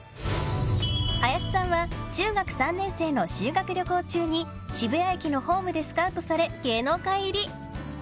林さんは中学３年生の修学旅行中に渋谷駅のホームでスカウトされ芸能界入り。